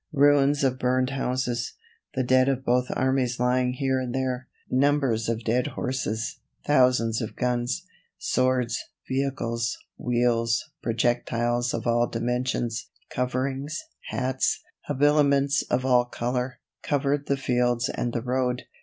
Ruins of burned houses; the dead of both armies lying here and there; numbers of dead horses; thousands of guns, swords, vehicles, wheels, projectiles of all dimensions, coverings, hats, habiliments of all color, covered the fields and the road.